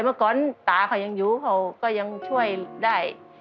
เมื่อก่อนตาเขายังอยู่เขาก็ยังช่วยได้